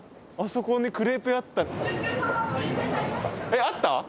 あそこにクレープ屋あった。